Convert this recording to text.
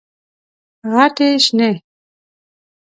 غټي شنې،